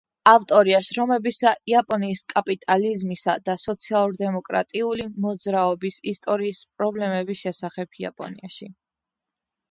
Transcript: ავტორია შრომებისა იაპონიის კაპიტალიზმისა და სოციალ-დემოკრატიული მოძრაობის ისტორიის პრობლემების შესახებ იაპონიაში.